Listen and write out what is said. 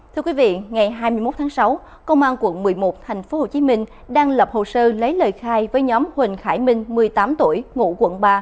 thưa quý vị ngày hai mươi một tháng sáu công an quận một mươi một tp hcm đang lập hồ sơ lấy lời khai với nhóm huỳnh khải minh một mươi tám tuổi ngụ quận ba